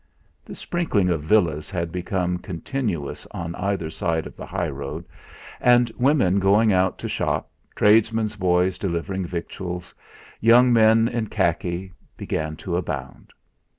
The sprinkling of villas had become continuous on either side of the high road; and women going out to shop, tradesmen's boys delivering victuals, young men in khaki, began to abound.